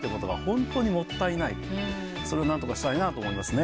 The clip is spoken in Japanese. それをなんとかしたいなと思いますね。